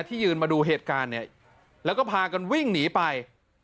ยืนมาดูเหตุการณ์เนี่ยแล้วก็พากันวิ่งหนีไป